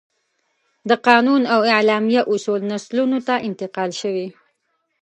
د قانون او اعلامیه اصول نسلونو ته انتقال شوي.